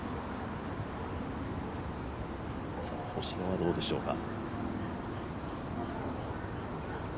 星野はどうでしょうか。